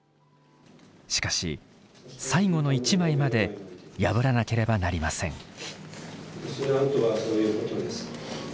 しかし最後の一枚まで破らなければなりません。